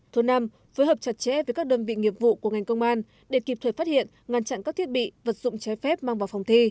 thứ năm phối hợp chặt chẽ với các đơn vị nghiệp vụ của ngành công an để kịp thời phát hiện ngăn chặn các thiết bị vật dụng trái phép mang vào phòng thi